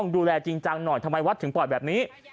ดูแลจริงจังหน่อยทำไมวัดถึงปล่อยแบบนี้